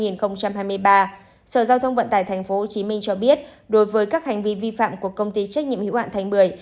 sở giao thông vận tài tp hcm cho biết đối với các hành vi vi phạm của công ty trách nhiệm hữu ạn thành bưởi